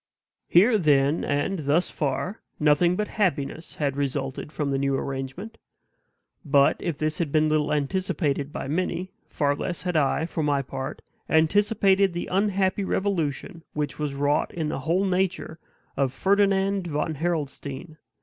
Here, then, and thus far, nothing but happiness had resulted from the new arrangement. But, if this had been little anticipated by many, far less had I, for my part, anticipated the unhappy revolution which was wrought in the whole nature of Ferdinand von Harrelstein.